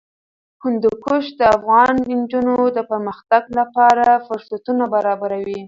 هندوکش د افغان نجونو د پرمختګ لپاره فرصتونه برابروي.